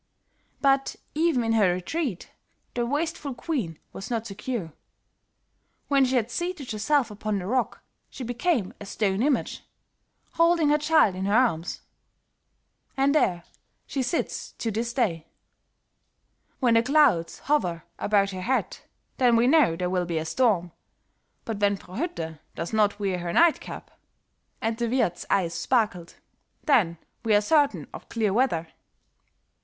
But even in her retreat the wasteful queen was not secure. When she had seated herself upon the rock, she became a stone image, holding her child in her arms. And there she sits to this day. When the clouds hover about her head then we know there will be a storm, but when Frau Hütte does not wear her night cap," and the Wirthe's eyes sparkled, "then we are certain of clear weather."